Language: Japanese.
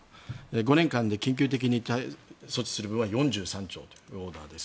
５年間で緊急的に措置する場合は４３兆というオーダーです。